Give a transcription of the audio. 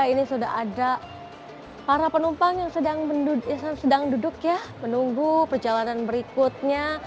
ini sudah ada para penumpang yang sedang duduk ya menunggu perjalanan berikutnya